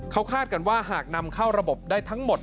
เขาคาดกันว่าหากนำเข้าระบบได้ทั้งหมด